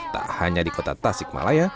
tak hanya di kota tasikmalaya